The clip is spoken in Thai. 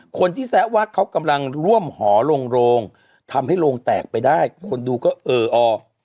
แซะว่าเขากำลังร่วมหอลงโรงทำให้โรงแตกไปได้คนดูก็เอออ